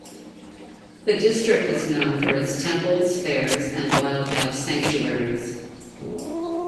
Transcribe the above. The district is known for its Temples, Fairs and Wildlife Sanctuaries.